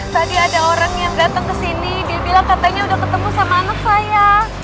tadi ada orang yang datang ke sini dia bilang katanya udah ketemu sama anak saya